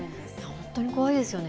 本当に怖いですよね。